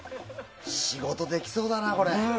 仕事できそうだな、これ。